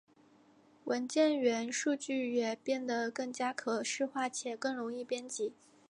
文件元数据也变得更加可视化且更容易编辑。